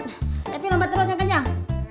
cepi lompat terus jangan kejang